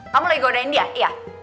kamu lagi godain dia iya